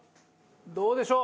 どうでしょう？